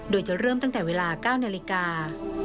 โดยจะเริ่มตั้งแต่เวลา๙นาฬิกา